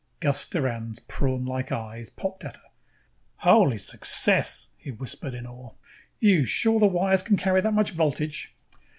Gus Doran's prawnlike eyes popped at her. "Holy Success," he whispered in awe. "You sure the wires can carry that much voltage?"